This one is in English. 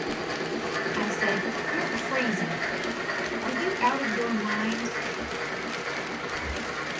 I said, 'You're crazy, are you out of your mind.